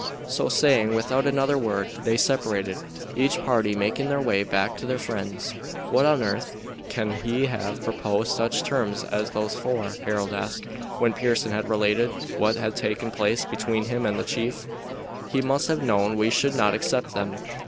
So saying, without another word, they separated, each party making their way back to their friends. "What on earth can he have proposed such terms as those for?" Harold asked, when Pearson had related what had taken place between him and the chief. "He must have known we should not accept them."